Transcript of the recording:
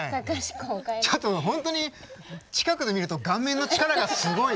ちょっと本当に近くで見ると顔面の力がすごい！顔面の力？